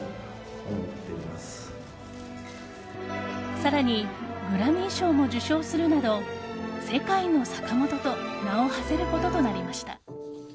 更にグラミー賞も受賞するなど世界のサカモトと名を馳せることとなりました。